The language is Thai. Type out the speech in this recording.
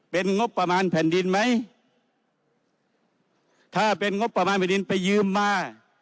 เป็นงบประมาณแผ่นดินไหมถ้าเป็นงบประมาณแผ่นดินไปยืมมา